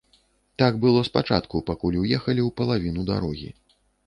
Так было спачатку, пакуль уехалі ў палавіну дарогі.